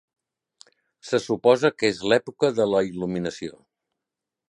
Se suposa que és l'època de la il·luminació.